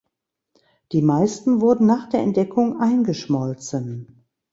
Die meisten wurden nach der Entdeckung eingeschmolzen.